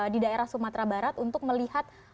di daerah sumatera barat untuk melihat